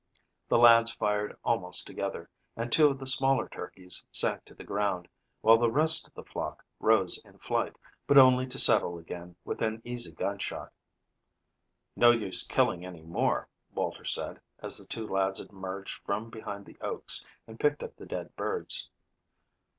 The lads fired almost together, and two of the smaller turkeys sank to the ground, while the rest of the flock rose in flight, but only to settle again within easy gun shot. "No use killing any more," Walter said, as the two lads emerged from behind the oaks and picked up the dead birds.